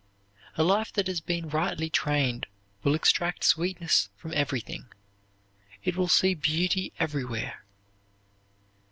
A life that has been rightly trained will extract sweetness from everything; it will see beauty everywhere.